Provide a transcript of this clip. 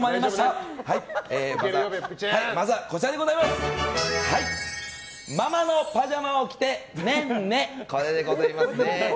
まずはこちらママのパジャマを着ておねんね！